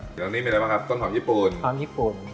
เดี๋ยวนี้มีอะไรบ้างครับต้นหอมญี่ปุ่นหอมญี่ปุ่น